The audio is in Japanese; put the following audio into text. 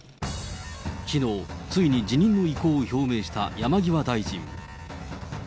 きのう、ついに辞任の意向を表明した山際大臣。